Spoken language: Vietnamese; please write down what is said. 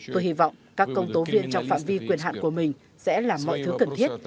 tôi hy vọng các công tố viên trong phạm vi quyền hạn của mình sẽ làm mọi thứ cần thiết